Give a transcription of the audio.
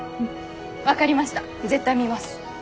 分かりました絶対見ます！